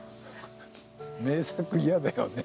名作嫌だよね。